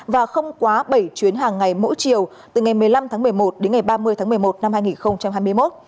và không quá bảy chuyến hàng ngày mỗi chiều từ ngày một mươi năm tháng một mươi một đến ngày ba mươi tháng một mươi một năm hai nghìn hai mươi một